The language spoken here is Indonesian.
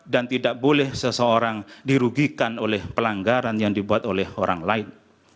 dan tidak boleh seseorang dirugikan oleh pelanggaran yang dibuat oleh orang lain